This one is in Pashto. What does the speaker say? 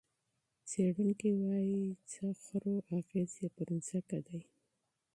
څېړونکي وايي، څه خورو، اغېز یې پر ځمکه دی.